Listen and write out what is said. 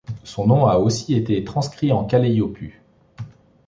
Son nom a aussi été transcrit en Kaleiopuu.